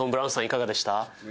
いかがでした？